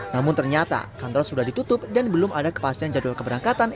namun ternyata kantor sudah ditutup dan belum ada kepastian jadwal keberangkatan